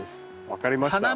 分かりました。